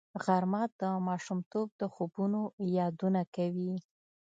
غرمه د ماشومتوب د خوبونو یادونه کوي